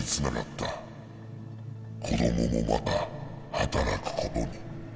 子供もまた働くことに。